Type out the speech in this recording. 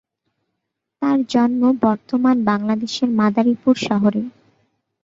তাঁর জন্ম বর্তমান বাংলাদেশের মাদারীপুর শহরে।